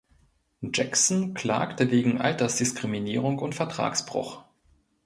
Jackson klagte wegen Altersdiskriminierung und Vertragsbruch.